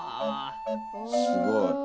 すごい。